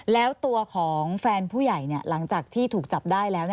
แล้วตัวของแฟนผู้ใหญ่หลังจากที่ถูกจับได้แล้ว